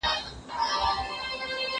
کېدای سي بوټونه ګنده وي!.